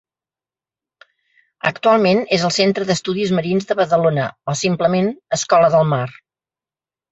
Actualment és el Centre d'Estudis Marins de Badalona, o simplement Escola del Mar.